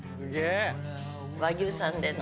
和牛さんでの。